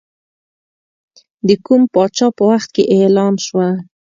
د کوم پاچا په وخت کې اعلان شوه.